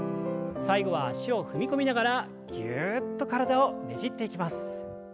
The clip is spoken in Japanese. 最後は脚を踏み込みながらギュっと体をねじっていきます。